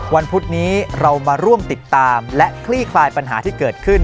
พุธนี้เรามาร่วมติดตามและคลี่คลายปัญหาที่เกิดขึ้น